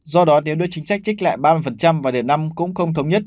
do đó điều đưa chính sách trích lại ba mươi và đề năm cũng không thống nhất